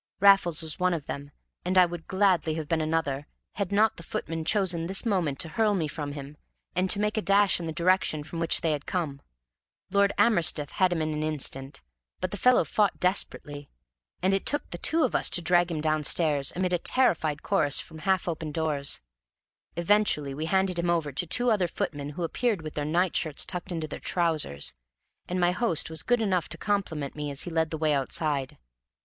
Raffles was one of them, and I would gladly have been another, had not the footman chosen this moment to hurl me from him, and to make a dash in the direction from which they had come. Lord Amersteth had him in an instant; but the fellow fought desperately, and it took the two of us to drag him downstairs, amid a terrified chorus from half open doors. Eventually we handed him over to two other footmen who appeared with their nightshirts tucked into their trousers, and my host was good enough to compliment me as he led the way outside.